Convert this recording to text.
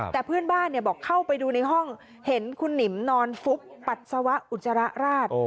แต่เพื่อนบ้านบอกเข้าไปดูในห้องเห็นคุณหนิมนอนฟุบปัสสาวะอุจจาระราช